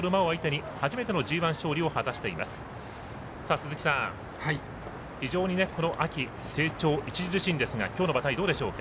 鈴木さん、非常にこの秋成長著しいんですが今日の馬体どうでしょうか？